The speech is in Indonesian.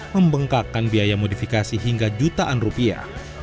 membengkakkan biaya modifikasi hingga jutaan rupiah